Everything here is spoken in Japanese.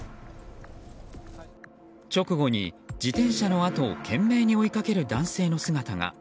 直後に、自転車のあとを懸命に追いかける男性の姿が。